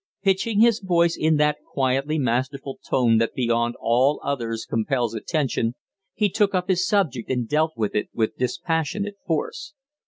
Pitching his voice in that quietly masterful tone that beyond all others compels attention, he took up his subject and dealt with it with dispassionate force.